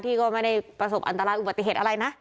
ที่ก็ไม่ได้ประสบอันตรายอุบัติเหตุอะไรนะ